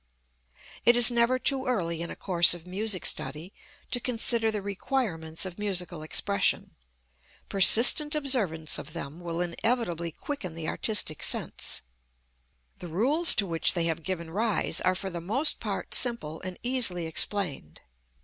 It is never too early in a course of music study to consider the requirements of musical expression. Persistent observance of them will inevitably quicken the artistic sense. The rules to which they have given rise are for the most part simple and easily explained.